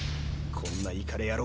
こんなイカれ野郎